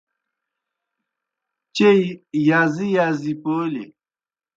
چیئی یازی یازی پولِیْ۔